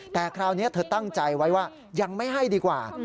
แต่คราวนี้เธอตั้งใจไว้ว่ายังไม่ให้ดีกว่า